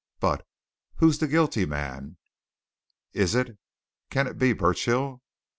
But who's the guilty man? Is it can it be Burchill?